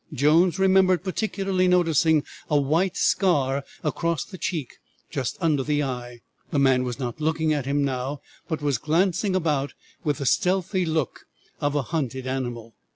Jones remembered particularly noticing a white scar across the cheek just under the eye. The man was not looking at him now, but was glancing about with the stealthy look of a hunted animal.